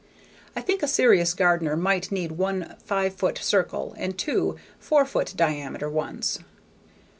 I think a serious gardener might need one five foot circle and two, four foot diameter ones.